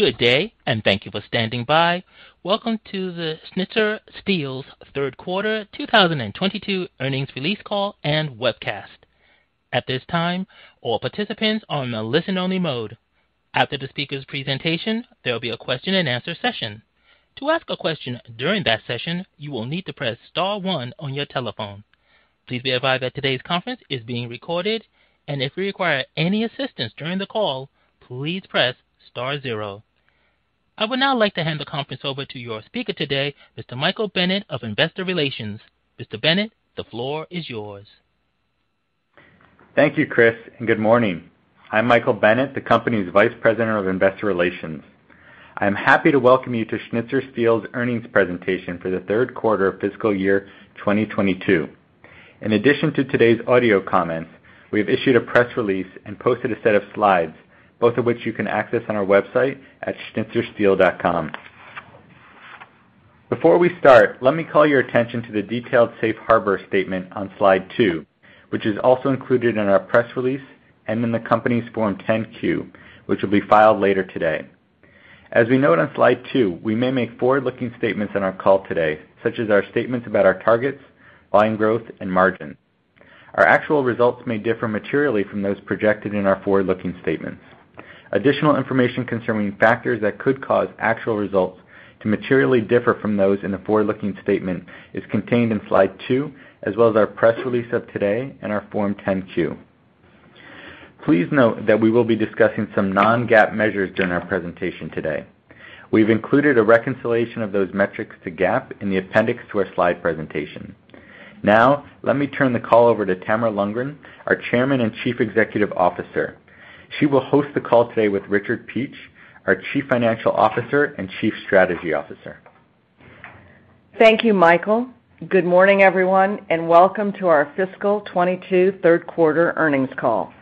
Good day, and thank you for standing by. Welcome to the Schnitzer Steel's third quarter 2022 earnings release call and webcast. At this time, all participants are in a listen-only mode. After the speaker's presentation, there will be a question-and-answer session. To ask a question during that session, you will need to press star one on your telephone. Please be advised that today's conference is being recorded, and if you require any assistance during the call, please press star zero. I would now like to hand the conference over to your speaker today, Mr. Michael Bennett of Investor Relations. Mr. Bennett, the floor is yours. Thank you, Chris, and good morning. I'm Michael Bennett, the company's Vice President of Investor Relations. I'm happy to welcome you to Schnitzer Steel's earnings presentation for the third quarter of fiscal year 2022. In addition to today's audio comments, we have issued a press release and posted a set of slides, both of which you can access on our website at schnitzersteel.com. Before we start, let me call your attention to the detailed Safe Harbor statement on slide two, which is also included in our press release and in the company's Form 10-Q, which will be filed later today. As we note on slide two, we may make forward-looking statements on our call today, such as our statements about our targets, volume growth, and margin. Our actual results may differ materially from those projected in our forward-looking statements. Additional information concerning factors that could cause actual results to materially differ from those in the forward-looking statement is contained in slide two, as well as our press release of today and our Form 10-Q. Please note that we will be discussing some non-GAAP measures during our presentation today. We've included a reconciliation of those metrics to GAAP in the appendix to our slide presentation. Now, let me turn the call over to Tamara Lundgren, our Chairman and Chief Executive Officer. She will host the call today with Richard Peach, our Chief Financial Officer and Chief Strategy Officer. Thank you, Michael. Good morning, everyone, and welcome to our fiscal 2022 third quarter earnings call.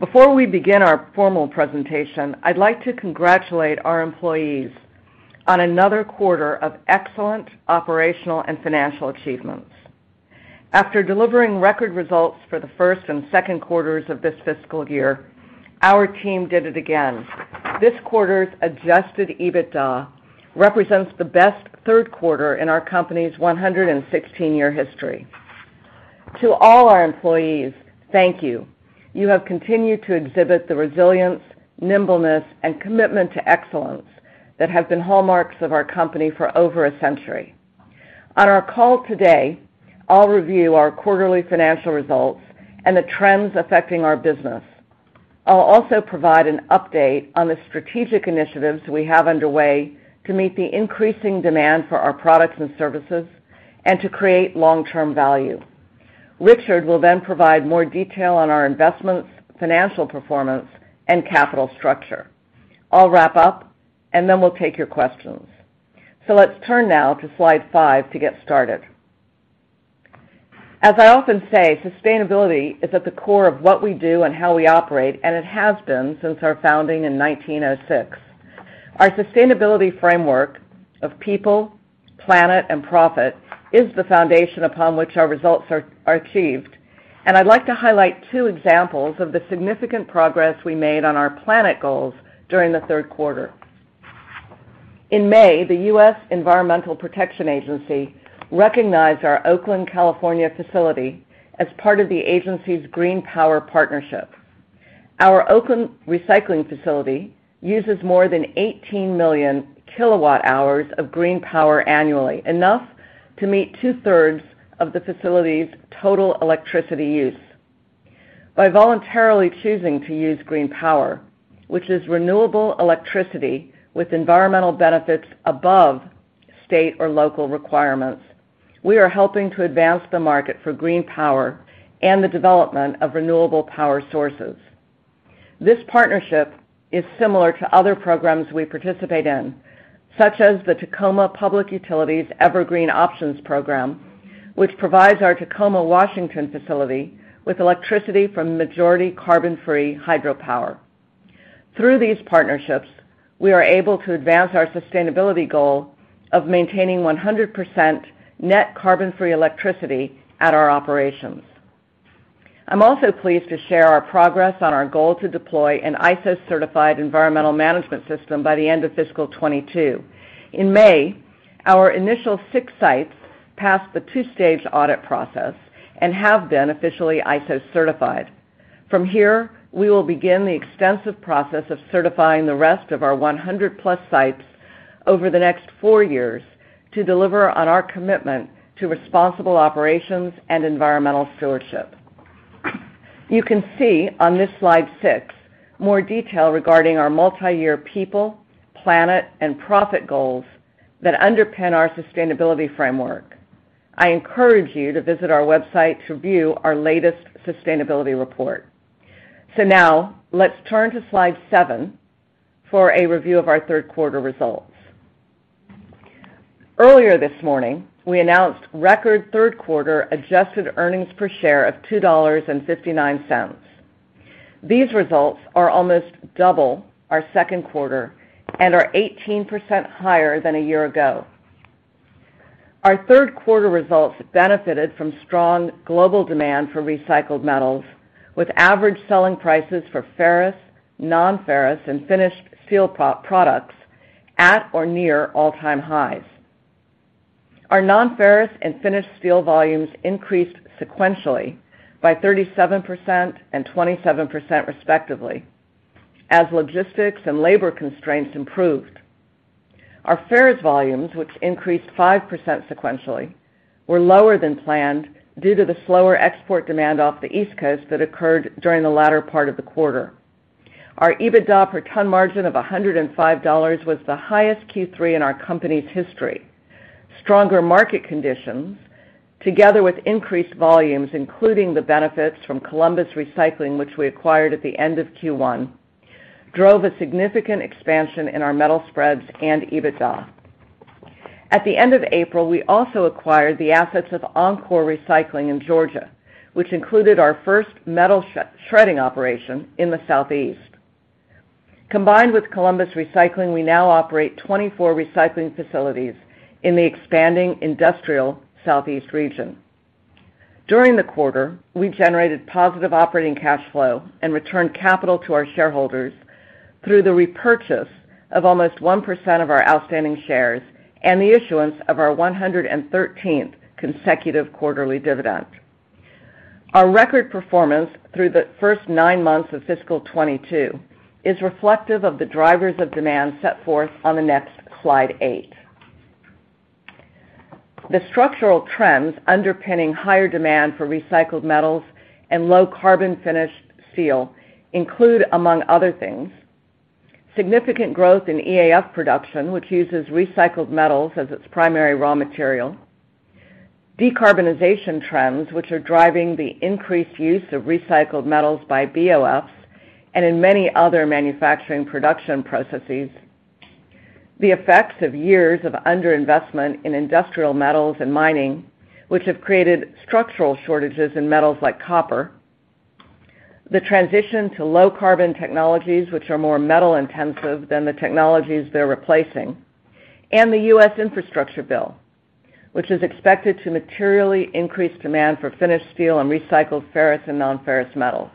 Before we begin our formal presentation, I'd like to congratulate our employees on another quarter of excellent operational and financial achievements. After delivering record results for the first and second quarters of this fiscal year, our team did it again. This quarter's Adjusted EBITDA represents the best third quarter in our company's 116-year history. To all our employees, thank you. You have continued to exhibit the resilience, nimbleness, and commitment to excellence that have been hallmarks of our company for over a century. On our call today, I'll review our quarterly financial results and the trends affecting our business. I'll also provide an update on the strategic initiatives we have underway to meet the increasing demand for our products and services and to create long-term value. Richard will then provide more detail on our investments, financial performance, and capital structure. I'll wrap up, and then we'll take your questions. Let's turn now to slide five to get started. As I often say, sustainability is at the core of what we do and how we operate, and it has been since our founding in 1906. Our sustainability framework of people, planet, and profit is the foundation upon which our results are achieved. I'd like to highlight two examples of the significant progress we made on our planet goals during the third quarter. In May, the U.S. Environmental Protection Agency recognized our Oakland, California, facility as part of the Agency's Green Power Partnership. Our Oakland recycling facility uses more than 18 million kWh of green power annually, enough to meet 2/3 of the facility's total electricity use. By voluntarily choosing to use green power, which is renewable electricity with environmental benefits above state or local requirements, we are helping to advance the market for green power and the development of renewable power sources. This partnership is similar to other programs we participate in, such as the Tacoma Public Utilities Evergreen Options Program, which provides our Tacoma, Washington, facility with electricity from majority carbon-free hydropower. Through these partnerships, we are able to advance our sustainability goal of maintaining 100% net carbon-free electricity at our operations. I'm also pleased to share our progress on our goal to deploy an ISO-certified environmental management system by the end of fiscal 2022. In May, our initial six sites passed the two-stage audit process and have been officially ISO certified. From here, we will begin the extensive process of certifying the rest of our 100+ sites over the next four years to deliver on our commitment to responsible operations and environmental stewardship. You can see on this slide six more details regarding our multi-year people, planet, and profit goals that underpin our sustainability framework. I encourage you to visit our website to view our latest sustainability report. Now let's turn to slide seven for a review of our third quarter results. Earlier this morning, we announced record third quarter adjusted earnings per share of $2.59. These results are almost double our second quarter and are 18% higher than a year ago. Our third quarter results benefited from strong global demand for recycled metals, with average selling prices for ferrous, non-ferrous, and finished steel products at or near all-time highs. Our non-ferrous and finished steel volumes increased sequentially by 37% and 27% respectively, as logistics and labor constraints improved. Our ferrous volumes, which increased 5% sequentially, were lower than planned due to the slower export demand off the East Coast that occurred during the latter part of the quarter. Our EBITDA per ton margin of $105 was the highest Q3 in our company's history. Stronger market conditions, together with increased volumes, including the benefits from Columbus Recycling, which we acquired at the end of Q1, drove a significant expansion in our metal spreads and EBITDA. At the end of April, we also acquired the assets of Encore Recycling in Georgia, which included our first metal shredding operation in the Southeast. Combined with Columbus Recycling, we now operate 24 recycling facilities in the expanding industrial Southeast region. During the quarter, we generated positive operating cash flow and returned capital to our shareholders through the repurchase of almost 1% of our outstanding shares and the issuance of our 113th consecutive quarterly dividend. Our record performance through the first nine months of fiscal 2022 is reflective of the drivers of demand set forth on the next slide eight. The structural trends underpinning higher demand for recycled metals and low-carbon finished steel include, among other things, significant growth in EAF production, which uses recycled metals as its primary raw material, decarbonization trends, which are driving the increased use of recycled metals by BOF and in many other manufacturing production processes, the effects of years of under-investment in industrial metals and mining, which have created structural shortages in metals like copper, the transition to low-carbon technologies, which are more metal-intensive than the technologies they're replacing. The U.S. Infrastructure Bill, which is expected to materially increase demand for finished steel and recycled ferrous and non-ferrous metals.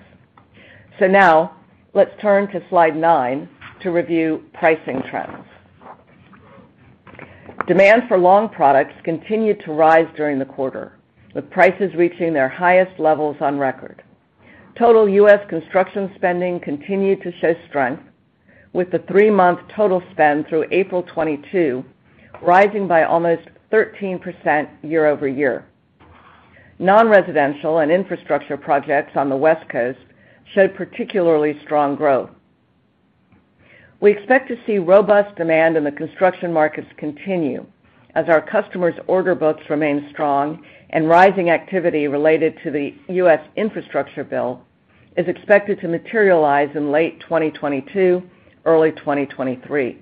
Let's turn to Slide nine to review pricing trends. Demand for long products continued to rise during the quarter, with prices reaching their highest levels on record. Total U.S. construction spending continued to show strength, with the three-month total spend through April 2022 rising by almost 13% year-over-year. Non-residential and infrastructure projects on the West Coast showed particularly strong growth. We expect to see robust demand in the construction markets continue as our customers' order books remain strong and rising activity related to the U.S. Infrastructure Bill is expected to materialize in late 2022, early 2023.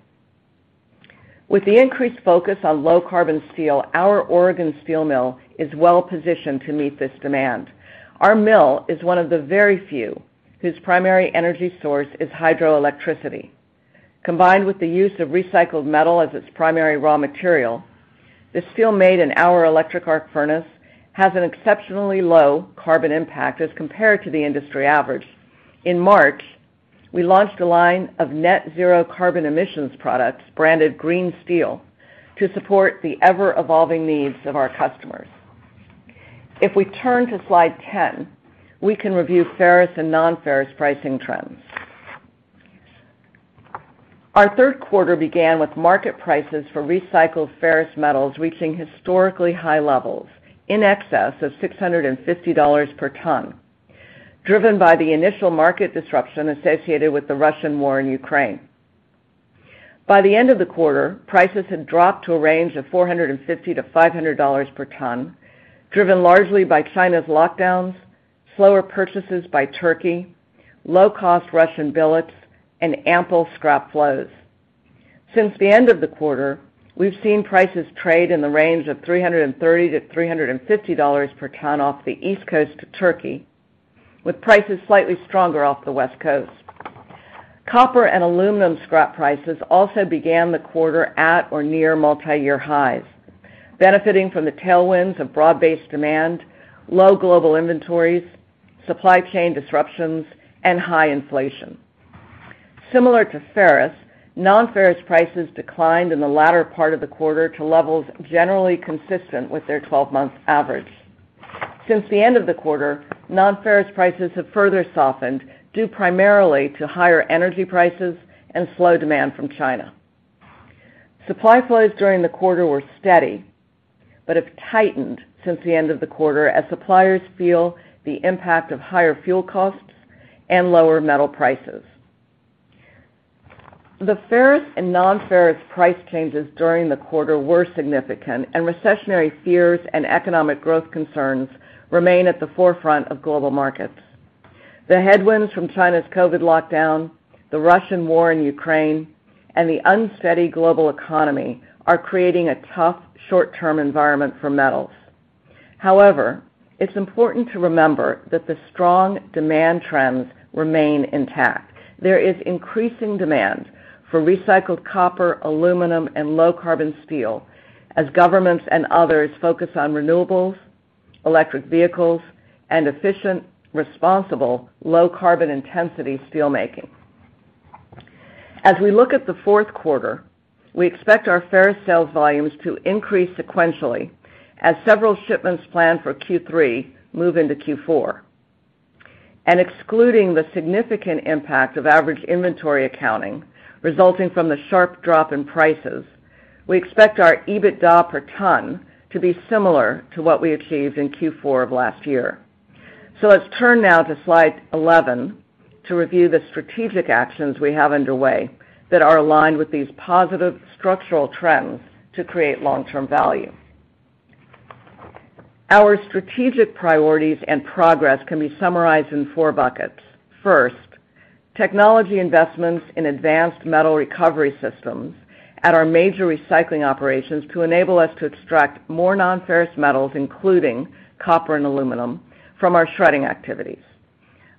With the increased focus on low-carbon steel, our Oregon steel mill is well-positioned to meet this demand. Our mill is one of the very few whose primary energy source is hydroelectricity. Combined with the use of recycled metal as its primary raw material, the steel made in our electric arc furnace has an exceptionally low carbon impact as compared to the industry average. In March, we launched a line of net zero carbon emissions products branded GRN Steel to support the ever-evolving needs of our customers. If we turn to slide 10, we can review ferrous and non-ferrous pricing trends. Our third quarter began with market prices for recycled ferrous metals reaching historically high levels in excess of $650 per ton, driven by the initial market disruption associated with the Russian war in Ukraine. By the end of the quarter, prices had dropped to a range of $450-$500 per ton, driven largely by China's lockdowns, slower purchases by Turkey, low-cost Russian billets, and ample scrap flows. Since the end of the quarter, we've seen prices trade in the range of $330-$350 per ton off the East Coast to Turkey, with prices slightly stronger off the West Coast. Copper and aluminum scrap prices also began the quarter at or near multi-year highs, benefiting from the tailwinds of broad-based demand, low global inventories, supply chain disruptions, and high inflation. Similar to ferrous, non-ferrous prices declined in the latter part of the quarter to levels generally consistent with their 12-month average. Since the end of the quarter, non-ferrous prices have further softened, due primarily to higher energy prices and slow demand from China. Supply flows during the quarter were steady, but have tightened since the end of the quarter as suppliers feel the impact of higher fuel costs and lower metal prices. The ferrous and non-ferrous price changes during the quarter were significant, and recessionary fears and economic growth concerns remain at the forefront of global markets. The headwinds from China's COVID lockdown, the Russian war in Ukraine, and the unsteady global economy are creating a tough short-term environment for metals. However, it's important to remember that the strong demand trends remain intact. There is increasing demand for recycled copper, aluminum, and low carbon steel as governments and others focus on renewables, electric vehicles, and efficient, responsible, low carbon intensity steel making. As we look at the fourth quarter, we expect our ferrous sales volumes to increase sequentially as several shipments planned for Q3 move into Q4. Excluding the significant impact of average inventory accounting resulting from the sharp drop in prices, we expect our EBITDA per ton to be similar to what we achieved in Q4 of last year. Let's turn now to slide 11 to review the strategic actions we have underway that are aligned with these positive structural trends to create long-term value. Our strategic priorities and progress can be summarized in four buckets. First, technology investments in advanced metal recovery systems at our major recycling operations to enable us to extract more nonferrous metals, including copper and aluminum from our shredding activities.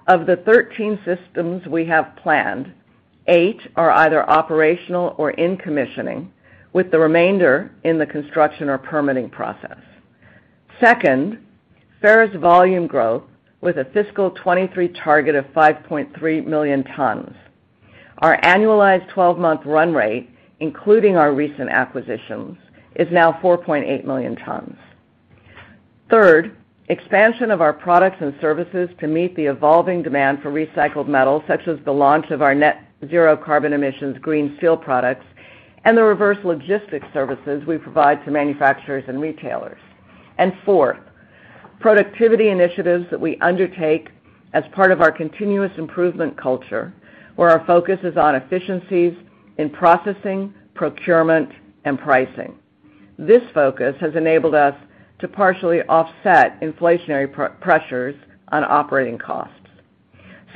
Of the 13 systems we have planned, eight are either operational or in commissioning, with the remainder in the construction or permitting process. Second, ferrous volume growth with a fiscal 2023 target of 5.3 million tons. Our annualized 12-month run rate, including our recent acquisitions, is now 4.8 million tons. Third, expansion of our products and services to meet the evolving demand for recycled metal, such as the launch of our net zero carbon emissions GRN Steel products and the reverse logistics services we provide to manufacturers and retailers. Fourth, productivity initiatives that we undertake as part of our continuous improvement culture, where our focus is on efficiencies in processing, procurement, and pricing. This focus has enabled us to partially offset inflationary pressures on operating costs.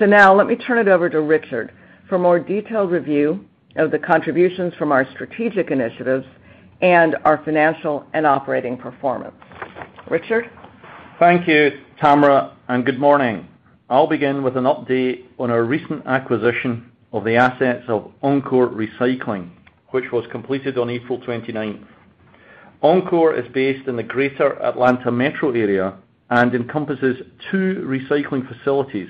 Now let me turn it over to Richard for more detailed review of the contributions from our strategic initiatives and our financial and operating performance. Richard? Thank you, Tamara, and good morning. I'll begin with an update on our recent acquisition of the assets of Encore Recycling, which was completed on April 29th. Encore Recycling is based in the greater Atlanta metro area and encompasses two recycling facilities,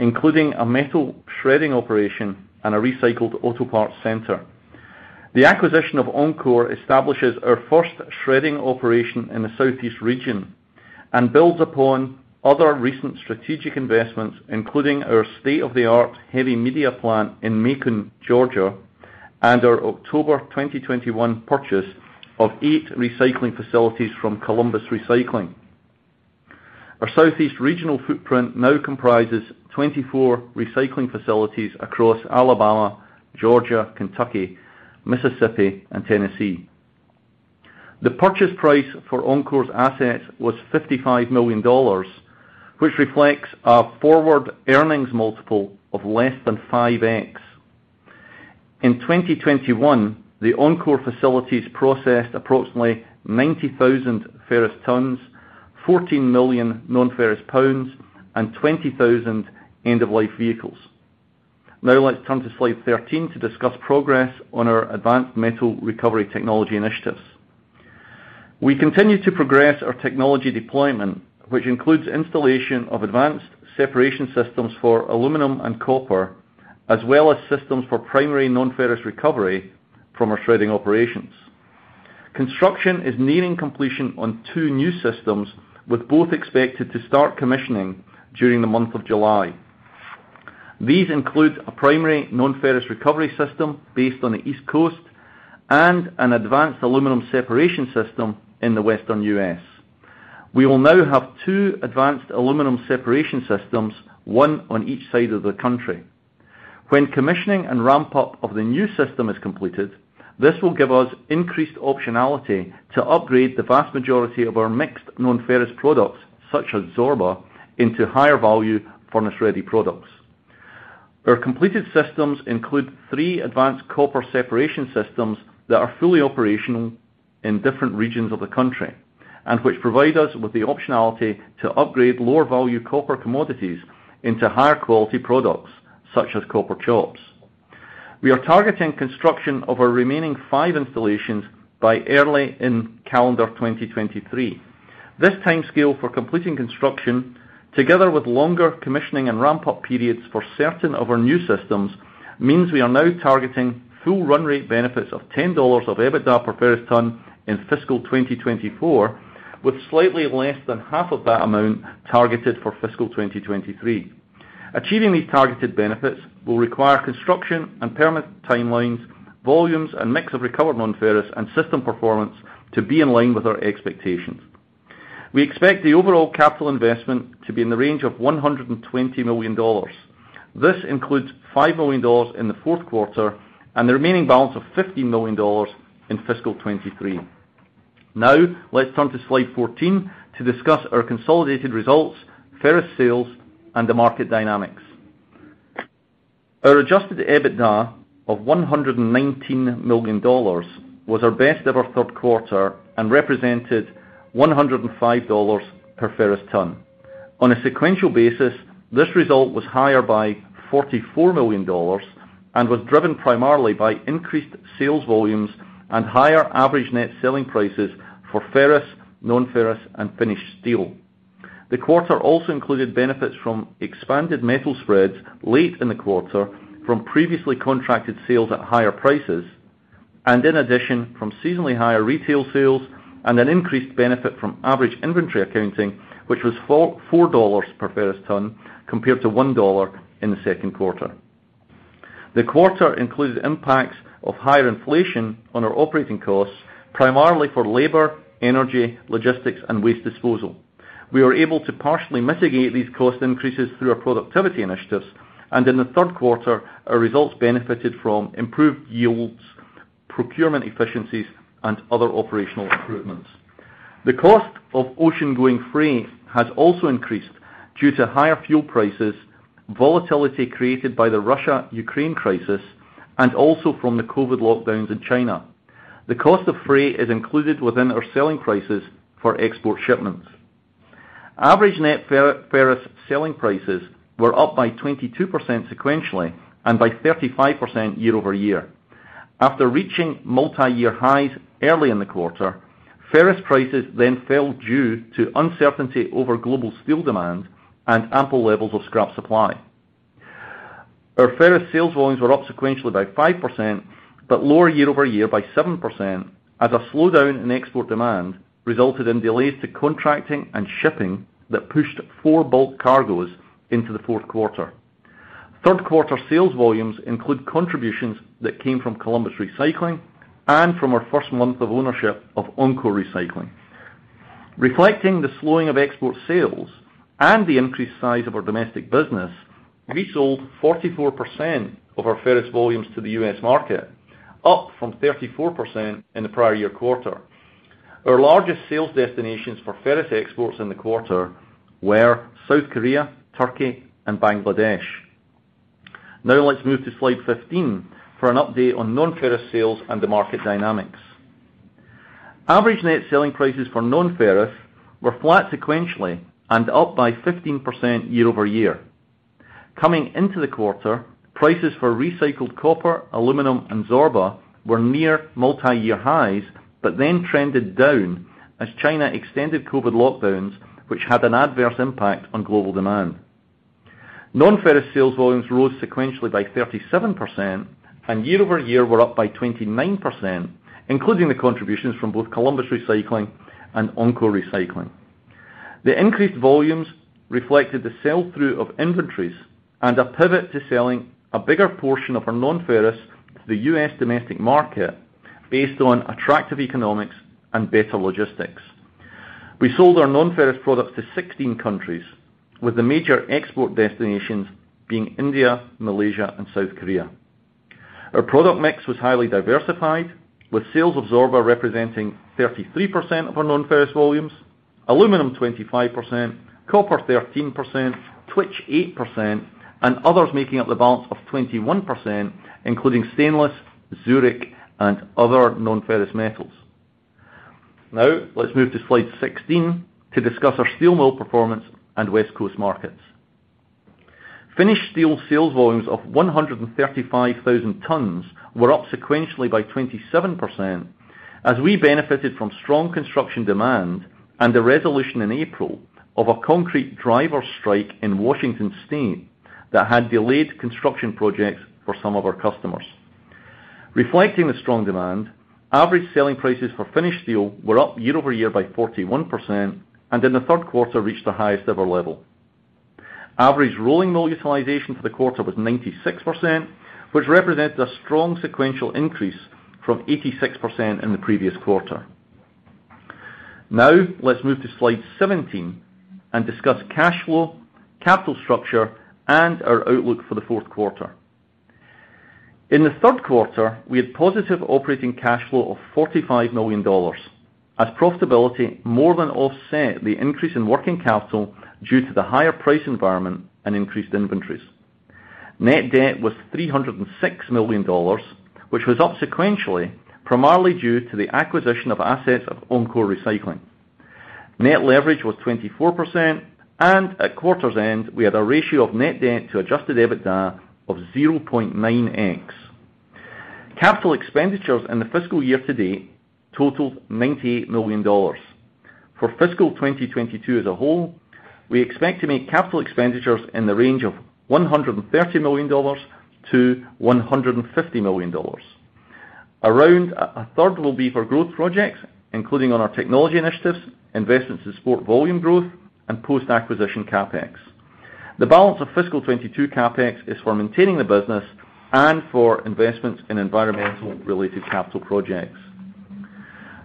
including a metal shredding operation and a recycled auto parts center. The acquisition of Encore Recycling establishes our first shredding operation in the Southeast region and builds upon other recent strategic investments, including our state-of-the-art heavy media plant in Macon, Georgia, and our October 2021 purchase of eight recycling facilities from Columbus Recycling. Our Southeast regional footprint now comprises 24 recycling facilities across Alabama, Georgia, Kentucky, Mississippi, and Tennessee. The purchase price for Encore Recycling's assets was $55 million, which reflects a forward earnings multiple of less than 5x. In 2021, the Encore Recycling facilities processed approximately 90,000 ferrous tons, 14 million nonferrous pounds, and 20,000 end-of-life vehicles. Now let's turn to slide 13 to discuss progress on our advanced metal recovery technology initiatives. We continue to progress our technology deployment, which includes installation of advanced separation systems for aluminum and copper, as well as systems for primary nonferrous recovery from our shredding operations. Construction is nearing completion on two new systems, with both expected to start commissioning during the month of July. These include a primary nonferrous recovery system based on the East Coast and an advanced aluminum separation system in the Western U.S. We will now have two advanced aluminum separation systems, one on each side of the country. When commissioning and ramp-up of the new system is completed, this will give us increased optionality to upgrade the vast majority of our mixed nonferrous products, such as Zorba, into higher value furnace-ready products. Our completed systems include three advanced copper separation systems that are fully operational in different regions of the country and which provide us with the optionality to upgrade lower value copper commodities into higher quality products, such as copper chops. We are targeting construction of our remaining five installations by early in calendar 2023. This timescale for completing construction, together with longer commissioning and ramp-up periods for certain of our new systems, means we are now targeting full run rate benefits of $10 of EBITDA per ferrous ton in fiscal 2024, with slightly less than half of that amount targeted for fiscal 2023. Achieving these targeted benefits will require construction and permit timelines, volumes and mix of recovered nonferrous and system performance to be in line with our expectations. We expect the overall capital investment to be in the range of $120 million. This includes $5 million in the fourth quarter and the remaining balance of $15 million in fiscal 2023. Now, let's turn to slide 14 to discuss our consolidated results, ferrous sales, and the market dynamics. Our Adjusted EBITDA of $119 million was our best ever third quarter and represented $105 per ferrous ton. On a sequential basis, this result was higher by $44 million and was driven primarily by increased sales volumes and higher average net selling prices for ferrous, non-ferrous, and finished steel. The quarter also included benefits from expanded metal spreads late in the quarter from previously contracted sales at higher prices, and in addition from seasonally higher retail sales and an increased benefit from average inventory accounting, which was $4 per ferrous ton compared to $1 in the second quarter. The quarter included impacts of higher inflation on our operating costs, primarily for labor, energy, logistics, and waste disposal. We were able to partially mitigate these cost increases through our productivity initiatives, and in the third quarter, our results benefited from improved yields, procurement efficiencies, and other operational improvements. The cost of ocean-going freight has also increased due to higher fuel prices, volatility created by the Russia-Ukraine crisis, and also from the COVID lockdowns in China. The cost of freight is included within our selling prices for export shipments. Average net ferrous selling prices were up by 22% sequentially and by 35% year-over-year. After reaching multi-year highs early in the quarter, ferrous prices then fell due to uncertainty over global steel demand and ample levels of scrap supply. Our ferrous sales volumes were up sequentially by 5%, but lower year-over-year by 7% as a slowdown in export demand resulted in delays to contracting and shipping that pushed four bulk cargos into the fourth quarter. Third quarter sales volumes include contributions that came from Columbus Recycling and from our first month of ownership of Encore Recycling. Reflecting the slowing of export sales and the increased size of our domestic business, we sold 44% of our ferrous volumes to the U.S. market, up from 34% in the prior year quarter. Our largest sales destinations for ferrous exports in the quarter were South Korea, Turkey, and Bangladesh. Now let's move to slide 15 for an update on non-ferrous sales and the market dynamics. Average net selling prices for non-ferrous were flat sequentially and up by 15% year-over-year. Coming into the quarter, prices for recycled copper, aluminum, and Zorba were near multi-year highs, but then trended down as China extended COVID lockdowns, which had an adverse impact on global demand. Non-ferrous sales volumes rose sequentially by 37% and year-over-year were up by 29%, including the contributions from both Columbus Recycling and Encore Recycling. The increased volumes reflected the sell-through of inventories and a pivot to selling a bigger portion of our non-ferrous to the U.S. domestic market based on attractive economics and better logistics. We sold our non-ferrous products to 16 countries, with the major export destinations being India, Malaysia, and South Korea. Our product mix was highly diversified, with sales of Zorba representing 33% of our non-ferrous volumes, aluminum 25%, copper 13%, Twitch 8%, and others making up the balance of 21%, including stainless, Zurik, and other non-ferrous metals. Now let's move to slide 16 to discuss our steel mill performance and West Coast markets. Finished steel sales volumes of 135,000 tons were up sequentially by 27% as we benefited from strong construction demand and the resolution in April of a concrete drivers' strike in Washington State that had delayed construction projects for some of our customers. Reflecting the strong demand, average selling prices for finished steel were up year-over-year by 41% and in the third quarter reached the highest ever level. Average rolling mill utilization for the quarter was 96%, which represents a strong sequential increase from 86% in the previous quarter. Now let's move to slide 17 and discuss cash flow, capital structure, and our outlook for the fourth quarter. In the third quarter, we had positive operating cash flow of $45 million as profitability more than offset the increase in working capital due to the higher price environment and increased inventories. Net debt was $306 million, which was up sequentially, primarily due to the acquisition of assets of Encore Recycling. Net leverage was 24% and at quarter's end, we had a ratio of net debt to Adjusted EBITDA of 0.9x. Capital expenditures in the fiscal year to date totaled $98 million. For fiscal 2022 as a whole, we expect to make capital expenditures in the range of $130 million-$150 million. Around a third will be for growth projects, including on our technology initiatives, investments to support volume growth, and post-acquisition CapEx. The balance of fiscal 2022 CapEx is for maintaining the business and for investments in environmentally related capital projects.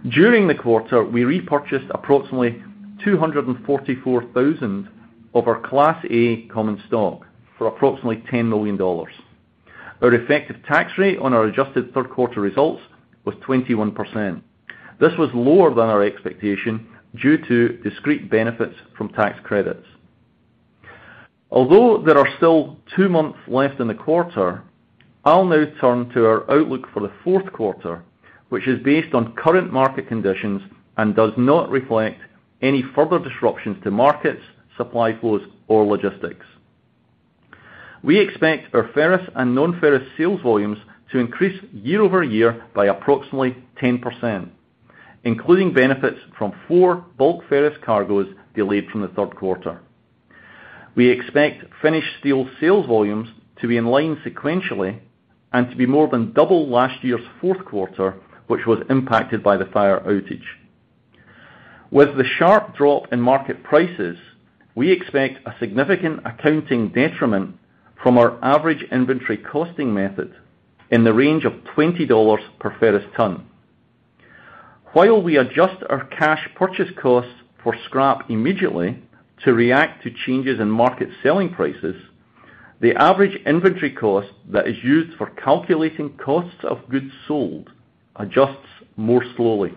During the quarter, we repurchased approximately 244,000 of our Class A common stock for approximately $10 million. Our effective tax rate on our adjusted third quarter results was 21%. This was lower than our expectation due to discrete benefits from tax credits. Although there are still two months left in the quarter, I'll now turn to our outlook for the fourth quarter, which is based on current market conditions and does not reflect any further disruptions to markets, supply flows, or logistics. We expect our ferrous and non-ferrous sales volumes to increase year-over-year by approximately 10%, including benefits from four bulk ferrous cargoes delayed from the third quarter. We expect finished steel sales volumes to be in line sequentially and to be more than double last year's fourth quarter, which was impacted by the fire outage. With the sharp drop in market prices, we expect a significant accounting detriment from our average inventory costing method in the range of $20 per ferrous ton. While we adjust our cash purchase costs for scrap immediately to react to changes in market selling prices, the average inventory cost that is used for calculating costs of goods sold adjusts more slowly.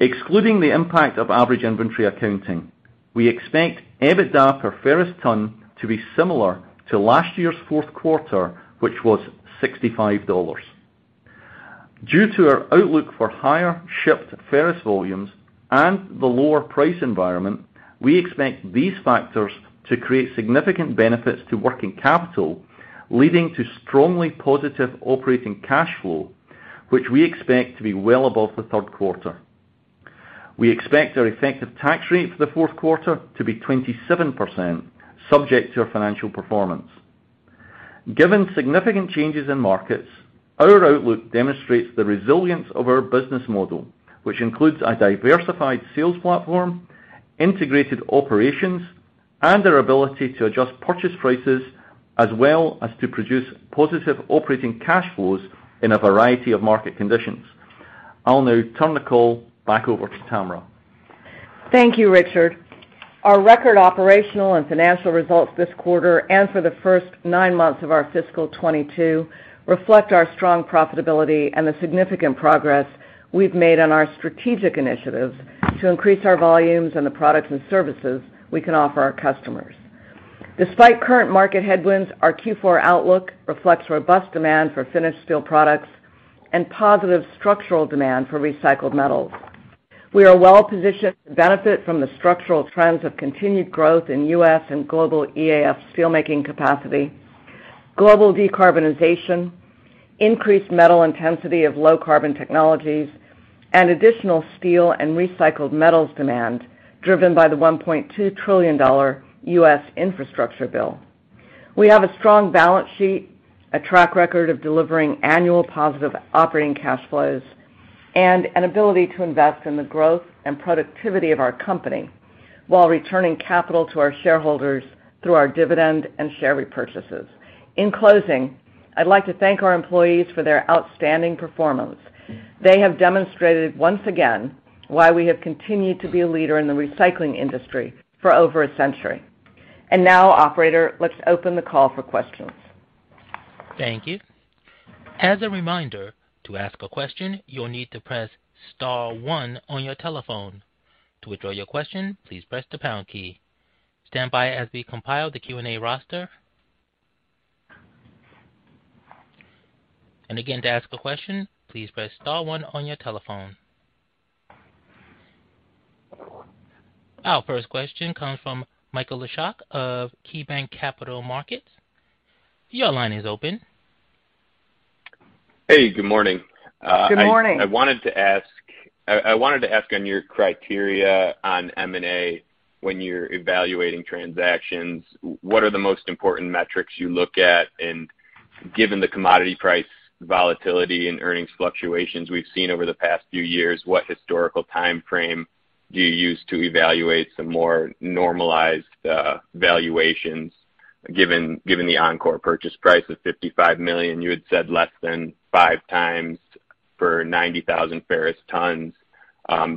Excluding the impact of average inventory accounting, we expect EBITDA per ferrous ton to be similar to last year's fourth quarter, which was $65. Due to our outlook for higher shipped ferrous volumes and the lower price environment, we expect these factors to create significant benefits to working capital, leading to strongly positive operating cash flow, which we expect to be well above the third quarter. We expect our effective tax rate for the fourth quarter to be 27%, subject to our financial performance. Given significant changes in markets, our outlook demonstrates the resilience of our business model, which includes a diversified sales platform, integrated operations, and our ability to adjust purchase prices as well as to produce positive operating cash flows in a variety of market conditions. I'll now turn the call back over to Tamara. Thank you, Richard. Our record operational and financial results this quarter and for the first nine months of our fiscal 2022 reflect our strong profitability and the significant progress we've made on our strategic initiatives to increase our volumes and the products and services we can offer our customers. Despite current market headwinds, our Q4 outlook reflects robust demand for finished steel products and positive structural demand for recycled metals. We are well-positioned to benefit from the structural trends of continued growth in U.S. and global EAF steelmaking capacity, global decarbonization, increased metal intensity of low-carbon technologies, and additional steel and recycled metals demand, driven by the $1.2 trillion U.S. Infrastructure Bill. We have a strong balance sheet, a track record of delivering annual positive operating cash flows, and an ability to invest in the growth and productivity of our company while returning capital to our shareholders through our dividend and share repurchases. In closing, I'd like to thank our employees for their outstanding performance. They have demonstrated once again why we have continued to be a leader in the recycling industry for over a century. Now, operator, let's open the call for questions. Thank you. As a reminder, to ask a question, you'll need to press star one on your telephone. To withdraw your question, please press the pound key. Stand by as we compile the Q&A roster. Again, to ask a question, please press star one on your telephone. Our first question comes from Michael Leshock of KeyBanc Capital Markets. Your line is open. Hey, good morning. Good morning. I wanted to ask on your criteria on M&A when you're evaluating transactions, what are the most important metrics you look at? Given the commodity price volatility and earnings fluctuations we've seen over the past few years, what historical timeframe do you use to evaluate some more normalized valuations? Given the Encore purchase price of $55 million, you had said less than 5x for 90,000 ferrous tons.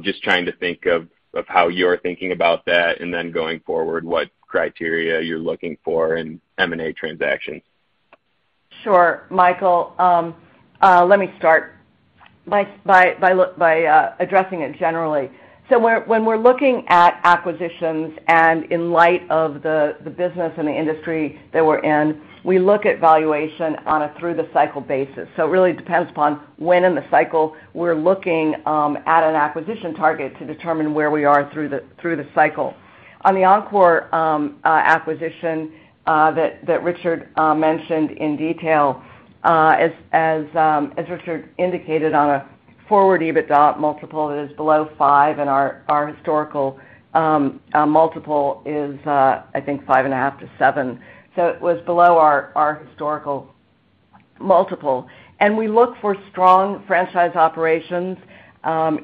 Just trying to think of how you're thinking about that, and then going forward, what criteria you're looking for in M&A transactions. Sure, Michael. Let me start by addressing it generally. When we're looking at acquisitions and in light of the business and the industry that we're in, we look at valuation on a through-the-cycle basis. It really depends upon when in the cycle we're looking at an acquisition target to determine where we are through the cycle. On the Encore acquisition that Richard mentioned in detail, as Richard indicated on a forward EBITDA multiple, it is below five, and our historical multiple is, I think 5.5x-7x. It was below our historical multiple. We look for strong franchise operations.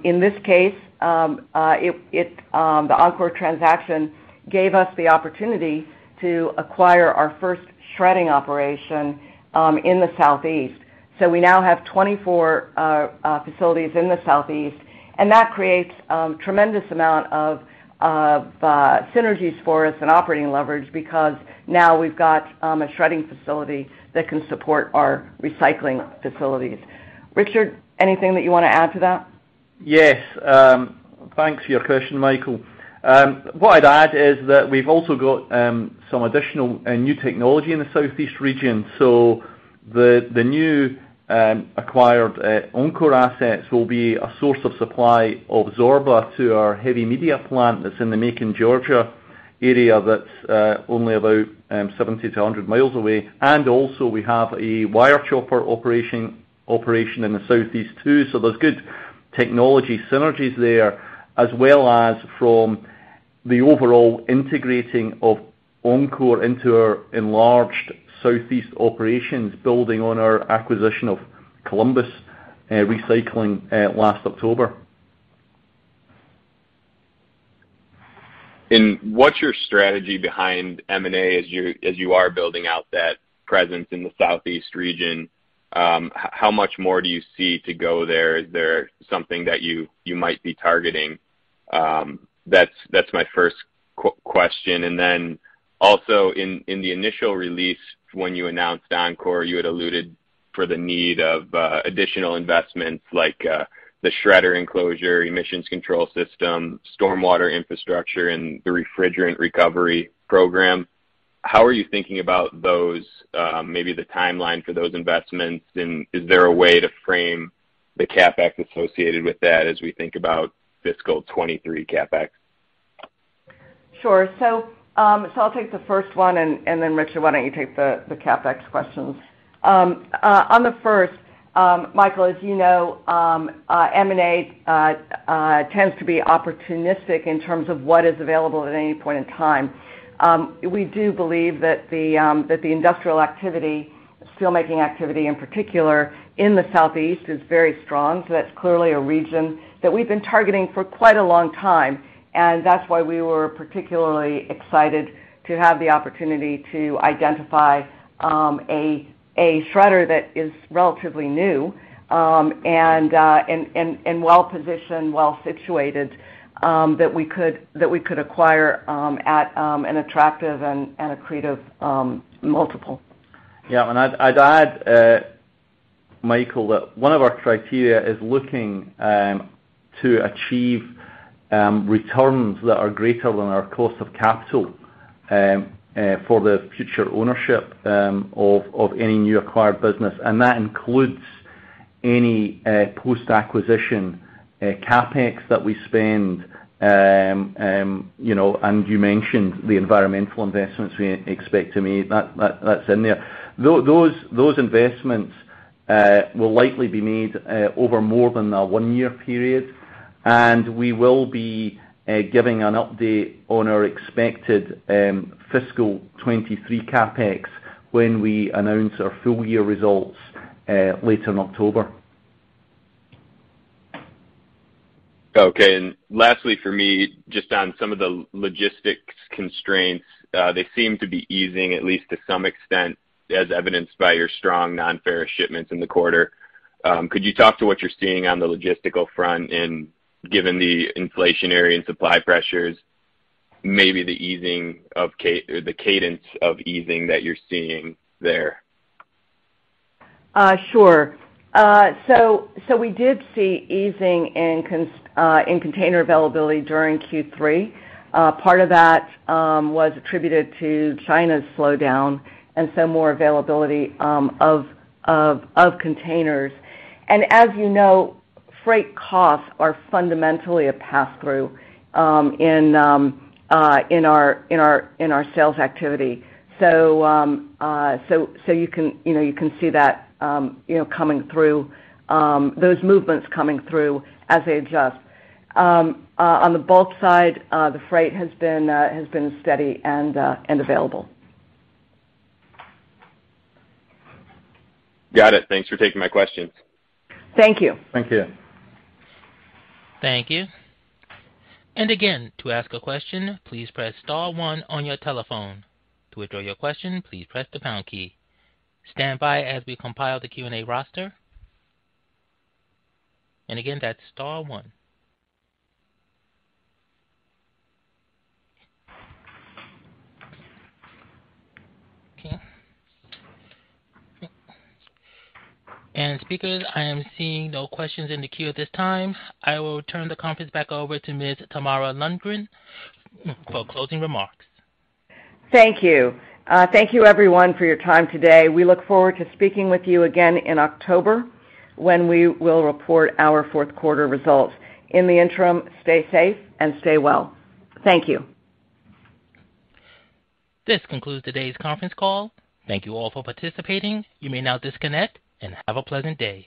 In this case, it The Encore transaction gave us the opportunity to acquire our first shredding operation in the Southeast. We now have 24 facilities in the Southeast, and that creates a tremendous amount of synergies for us and operating leverage because now we've got a shredding facility that can support our recycling facilities. Richard, anything that you wanna add to that? Yes. Thanks for your question, Michael. What I'd add is that we've also got some additional and new technology in the Southeast region. The new acquired Encore assets will be a source of supply of Zorba to our heavy media plant that's in the Macon, Georgia area that's only about 70 mi-100 mi away. Also we have a wire chopper operation in the Southeast too. There's good technology synergies there, as well as from the overall integrating of Encore into our enlarged Southeast operations, building on our acquisition of Columbus Recycling last October. What's your strategy behind M&A as you are building out that presence in the Southeast region? How much more do you see to go there? Is there something that you might be targeting? That's my first question. Then also in the initial release, when you announced Encore, you had alluded for the need of additional investments like the shredder enclosure, emissions control system, stormwater infrastructure, and the refrigerant recovery program. How are you thinking about those, maybe the timeline for those investments? Is there a way to frame the CapEx associated with that as we think about fiscal 2023 CapEx? Sure. I'll take the first one, and then Richard, why don't you take the CapEx questions. On the first, Michael, as you know, M&A tends to be opportunistic in terms of what is available at any point in time. We do believe that the industrial activity, steelmaking activity in particular in the Southeast is very strong. That's clearly a region that we've been targeting for quite a long time, and that's why we were particularly excited to have the opportunity to identify a shredder that is relatively new, and well-positioned, well situated, that we could acquire at an attractive and accretive multiple. Yeah. I'd add, Michael, that one of our criteria is looking to achieve returns that are greater than our cost of capital for the future ownership of any new acquired business. That includes any post-acquisition CapEx that we spend. You know, and you mentioned the environmental investments we expect to make. That's in there. Those investments will likely be made over more than a one-year period. We will be giving an update on our expected fiscal 2023 CapEx when we announce our full year results later in October. Okay. Lastly for me, just on some of the logistics constraints, they seem to be easing at least to some extent, as evidenced by your strong non-ferrous shipments in the quarter. Could you talk to what you're seeing on the logistical front and given the inflationary and supply pressures, maybe the easing or the cadence of easing that you're seeing there? Sure. We did see easing in container availability during Q3. Part of that was attributed to China's slowdown and so more availability of containers. As you know, freight costs are fundamentally a pass-through in our sales activity. You can, you know, see that coming through, you know, those movements coming through as they adjust. On the bulk side, the freight has been steady and available. Got it. Thanks for taking my questions. Thank you. Thank you. Thank you. Again, to ask a question, please press star one on your telephone. To withdraw your question, please press the pound key. Stand by as we compile the Q&A roster. Again, that's star one. Okay. Speakers, I am seeing no questions in the queue at this time. I will turn the conference back over to Ms. Tamara Lundgren for closing remarks. Thank you. Thank you everyone for your time today. We look forward to speaking with you again in October when we will report our fourth quarter results. In the interim, stay safe and stay well. Thank you. This concludes today's conference call. Thank you all for participating. You may now disconnect and have a pleasant day.